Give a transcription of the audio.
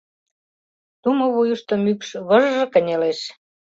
Тумо вуйышто мӱкш вы-ж-ж кынелеш.